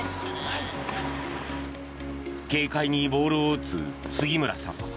軽快にボールを打つ杉村さん。